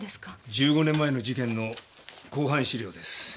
１５年前の事件の公判資料です。